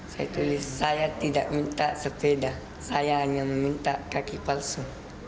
saya tulis saya tidak minta sepeda saya hanya meminta kaki palsu